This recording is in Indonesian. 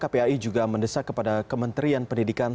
kpai juga mendesak kepada kementerian pendidikan